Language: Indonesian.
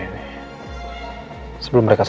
bakal ke tembakan dulu